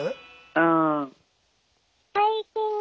うん。